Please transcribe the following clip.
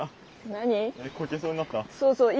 何？